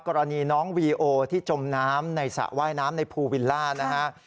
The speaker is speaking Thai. กรณีน้องวีโอที่จมน้ำในสระว่ายน้ำในภูวิลล่านะฮะ